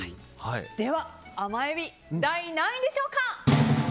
では甘えび第何位でしょうか。